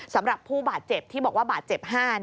สำหรับผู้บาดเจ็บที่บอกว่าบาดเจ็บ๕